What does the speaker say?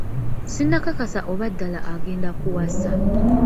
Sinakakasa oba ddala agenda kuwasa.